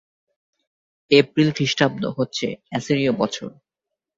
April খ্রিস্টাব্দ, হচ্ছে অ্যাসিরীয় বছর।